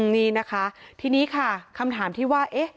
นี่นะคะทีนี้ค่ะคำถามที่ว่า